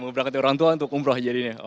ngebrakati orang tua untuk umroh jadinya